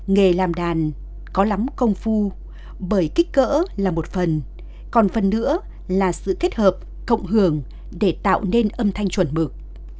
nghề làm đàn có lắm công phu bởi kích cỡ là một phần còn phần nữa là sự kết hợp cộng hưởng để tạo nên âm thanh chuẩn mực